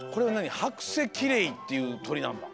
ハクセキレイっていうとりなんだ。